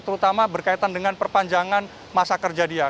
terutama berkaitan dengan perpanjangan masa kerja dia